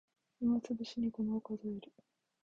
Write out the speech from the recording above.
暇つぶしにごまを数える